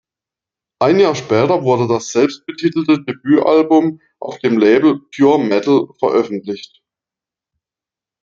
Ein Jahr später wurde das selbstbetitelte Debütalbum auf dem Label "Pure Metal" veröffentlicht.